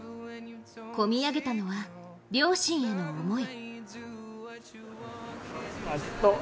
こみ上げたのは、両親への思い。